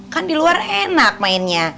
kan di luar enak mainnya